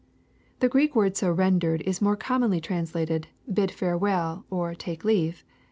] The Greek word so rendered is more commonly translated, *' bid farewell, or " take leave.